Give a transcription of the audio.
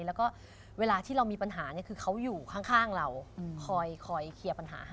แล้วก็เวลาที่เรามีปัญหาเนี่ยคือเขาอยู่ข้างเราคอยเคลียร์ปัญหาให้